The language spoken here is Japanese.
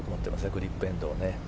グリップエンドを。